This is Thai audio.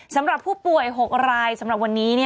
สำหรับผู้ป่วย๖รายสำหรับวันนี้